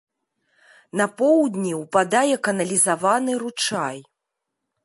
На поўдні ўпадае каналізаваны ручай.